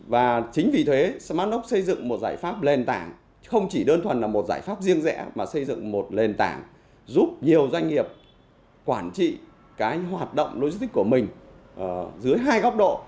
và chính vì thế smartlock xây dựng một giải pháp lền tảng không chỉ đơn thuần là một giải pháp riêng rẽ mà xây dựng một lề tảng giúp nhiều doanh nghiệp quản trị cái hoạt động logistics của mình dưới hai góc độ